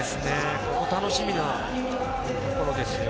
楽しみなところですよ。